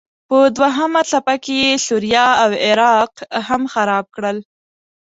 په دوهمه څپه کې یې سوریه او عراق هم خراب کړل.